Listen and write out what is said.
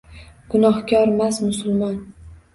Gunohkormas musulmon.